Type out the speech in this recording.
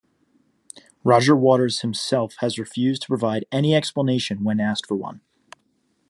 Roger Waters himself has refused to provide any explanation when asked for one.